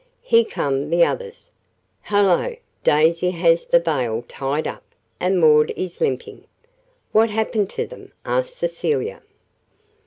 Here come the others. Hello, Daisy has the veil tied up, and Maud is limping." "What happened to them?" asked Cecilia.